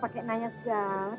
pakai nanya segala